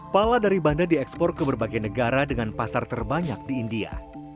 pala dari banda diekspor ke berbagai negara dengan pasar terbanyak di india